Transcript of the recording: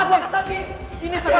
gak ada apaan